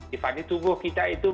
di fasi tubuh kita itu